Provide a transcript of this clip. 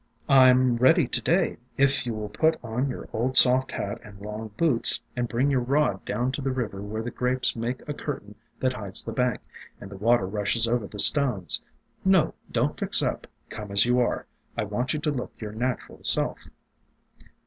"I 'm ready to day, if you will put on your old soft hat and long boots, and bring your rod down to the river where the grapes make a curtain that hides the bank, and the water rushes over the stones. No, don't fix up; come as you are. I want you to look your natural self."